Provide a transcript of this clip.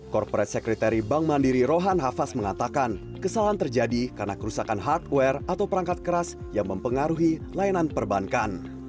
corporate secretary bank mandiri rohan hafaz mengatakan kesalahan terjadi karena kerusakan hardware atau perangkat keras yang mempengaruhi layanan perbankan